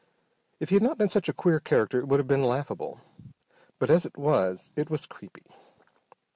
If he had not been such a queer character it would have been laughable, but as it was it was creepy.